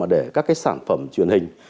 để các sản phẩm truyền hình